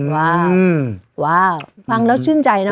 ว้าวฟังแล้วชื่นใจนะ